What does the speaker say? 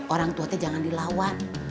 orang tuanya jangan dilawat